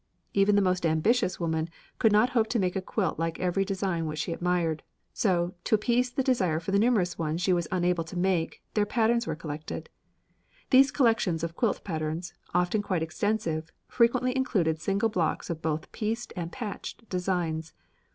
Even the most ambitious woman could not hope to make a quilt like every design which she admired, so, to appease the desire for the numerous ones she was unable to make, their patterns were collected. These collections of quilt patterns often quite extensive, frequently included single blocks of both pieced and patched designs.